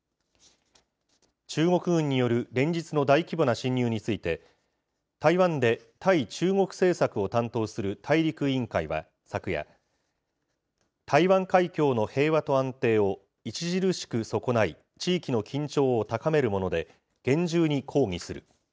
中国軍による連日の大規模な進入について、台湾で対中国政策を担当する大陸委員会は昨夜、台湾海峡の平和と安定を著しく損ない、地域の緊張を高めるもので、厳重に抗議する。